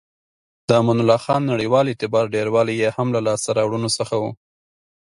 د امان الله خان نړیوال اعتبار ډیروالی یې هم له لاسته راوړنو څخه و.